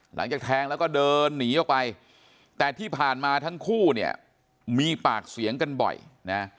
หลังจากแทงแล้วก็เดินหนีออกไปแต่ที่ผ่านมาทั้งคู่เนี่ยมีปากเสียงกันบ่อยนะ